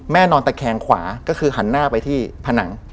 นอนตะแคงขวาก็คือหันหน้าไปที่ผนัง